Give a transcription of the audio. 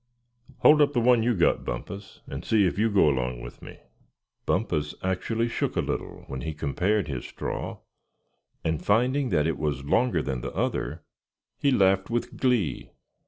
"Hold up the one you got, Bumpus, and see if you go along with me." Bumpus actually shook a little when he compared his "straw" and finding that it was longer than the other, he laughed with glee.